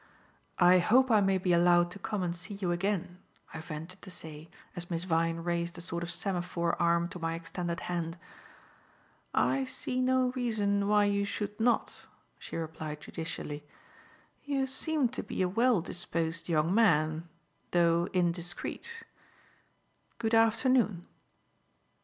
"I hope I may be allowed to come and see you again," I ventured to say as Miss Vyne raised a sort of semaphore arm to my extended hand. "I see no reason why you should not," she replied judicially. "You seem to be a well disposed young man, though indiscreet. Good afternoon."